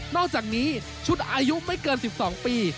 อกจากนี้ชุดอายุไม่เกิน๑๒ปี